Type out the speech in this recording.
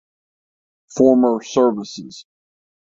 Former Services